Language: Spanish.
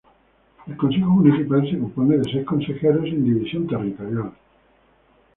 El consejo municipal se compone de seis consejeros sin división territorial.